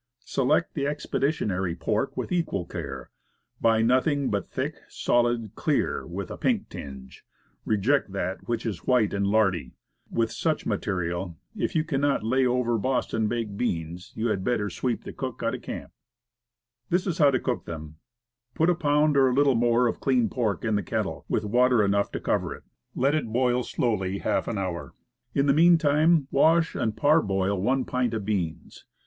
Select the expeditionary pork with equal care, buy ing nothing but thick, solM, "clear," with a pink tinge. Reject that which is white and lardy. With such material, if you cannot lay over Boston baked beans, you had better sweep the cook out of camp This is how to cook them: Put a pound or a little more of clean pork in the kettle, with water enough to cover it. Let it boil slowly half an hour. In the mean time, wash and parboil one pint of beans.